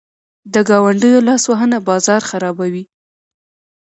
د ګاونډیو لاسوهنه بازار خرابوي.